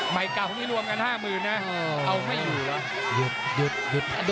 ไม้กล่าวมีรวมกันห้ามือน่ะเอาไม่อยู่หรอ